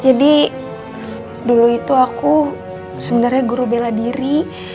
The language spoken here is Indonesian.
jadi dulu itu aku sebenarnya guru beladiri